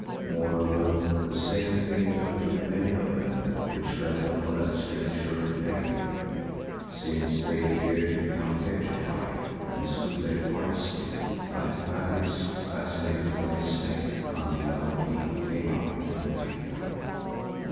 Moreover, the same fate overtook many of them which fell upon that scriptural lady, since they appeared to become petrified and stood there quite still, like rabbits fascinated by a snake, until our people came up and killed them.